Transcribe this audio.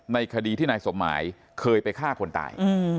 ในคดีที่นายสมหมายเคยไปฆ่าคนตาย